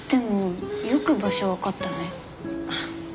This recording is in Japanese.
あっ。